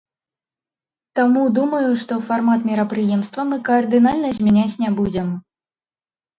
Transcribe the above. Таму думаю, што фармат мерапрыемства мы кардынальна змяняць не будзем.